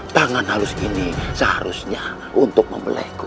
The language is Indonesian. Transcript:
tangan halus ini seharusnya untuk membelekku